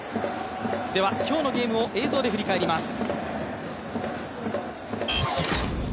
では今日のゲームを映像で振り返ります。